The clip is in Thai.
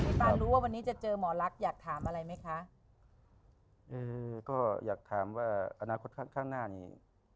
ตานรู้ว่าวันนี้จะเจอหมอลักษณ์อยากถามอะไรไหมคะอืมก็อยากถามว่าอนาคตข้างข้างหน้านี้